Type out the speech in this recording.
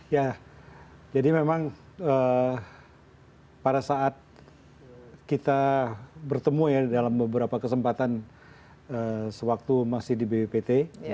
ya jadi memang pada saat kita bertemu ya dalam beberapa kesempatan sewaktu masih di bppt